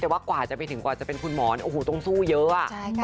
แต่ว่ากว่าจะไปถึงกว่าจะเป็นคุณหมอต้องสู้เยอะอ่ะ